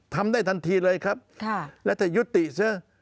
ทำได้ทันทีเลยครับแล้วจะยุติซะ